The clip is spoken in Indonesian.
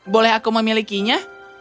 boleh aku memilikinya